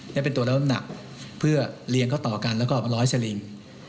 ได้เป็นตัวแล้วน้ำหนักเพื่อเรียงเข้าต่อกันแล้วก็ร้อยสลิง